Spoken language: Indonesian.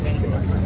pak mereka di mana